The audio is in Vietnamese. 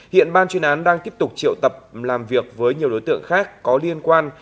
hiện ban chuyên án đang tiếp tục triệu tập làm việc với nhiều đối tượng khác có liên quan